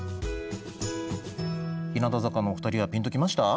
日向坂のお二人はピンと来ました？